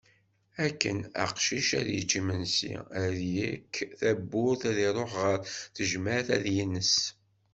Akken, aqcic ad yečč imensi, ad yekk tawwurt ad iruḥ ɣer tejmeɛt ad ines.